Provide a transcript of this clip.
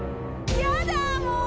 やだもう。